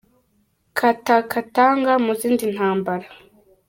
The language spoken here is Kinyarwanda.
Kata Katanga mu zindi ntambara